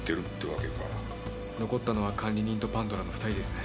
残ったのは管理人とパンドラの２人ですね。